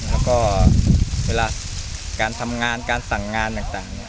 แล้วก็เวลาการทำงานการสั่งงานต่าง